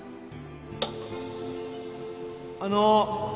あの